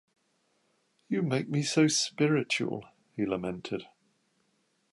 “You make me so spiritual!” he lamented.